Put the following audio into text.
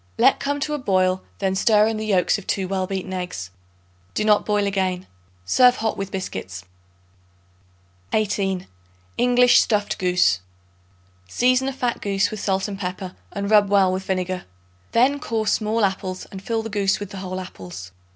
Let come to a boil; then stir in the yolks of 2 well beaten eggs. Do not boil again. Serve hot with biscuits. 18. English Stuffed Goose. Season a fat goose with salt and pepper, and rub well with vinegar. Then core small apples and fill the goose with the whole apples.